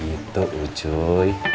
oh gitu ucuy